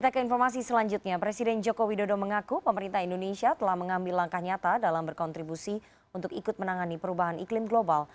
kita ke informasi selanjutnya presiden joko widodo mengaku pemerintah indonesia telah mengambil langkah nyata dalam berkontribusi untuk ikut menangani perubahan iklim global